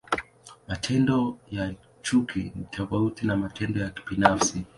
Matendo ya chuki ni tofauti na matendo ya kibinafsi.